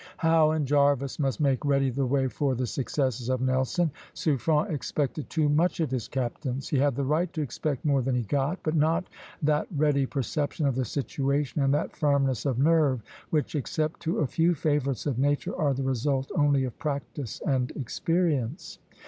Howe and Jervis must make ready the way for the successes of Nelson. Suffren expected too much of his captains. He had the right to expect more than he got, but not that ready perception of the situation and that firmness of nerve which, except to a few favorites of Nature, are the result only of practice and experience.